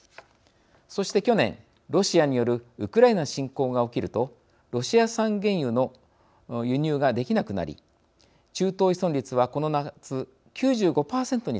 そして去年ロシアによるウクライナ侵攻が起きるとロシア産原油の輸入ができなくなり中東依存率はこの夏９５％に達しました。